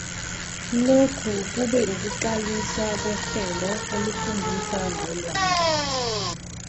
Lokhu kube ukuqaliswa kohlelo olufundisa ngolwandle.